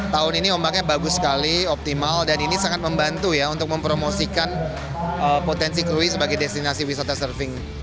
tahun ini ombaknya bagus sekali optimal dan ini sangat membantu ya untuk mempromosikan potensi krui sebagai destinasi wisata surfing